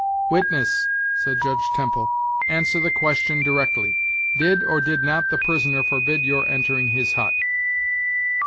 "Witness," said Judge Temple, "answer the question directly; did or did not the prisoner forbid your entering his hut?"